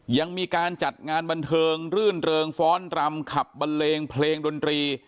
ยังมีการจัดงานบันเทิงรื่นเริงฟ้อนรำขับบันเลงเพลงดนตรี